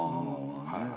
はい。